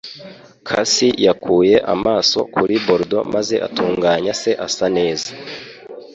Cassie yakuye amaso kuri Bordeaux maze atunganya se asa neza.